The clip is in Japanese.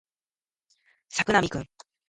作並くん